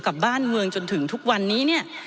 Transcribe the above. กับบ้านเมืองจนถึงทุกวันนี้